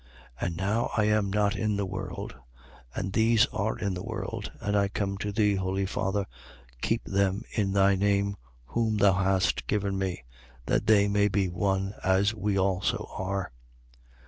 17:11. And now I am not in the world, and these are in the world, and I come to thee. Holy Father, keep them in thy name whom thou hast given me: that they may be one, as we also are.